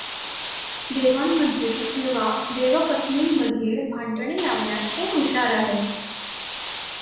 देवांमध्ये किंवा देवपत् नींमध्ये भांडणे लावण्यात हे हुशार आहेत.